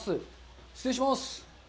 失礼します。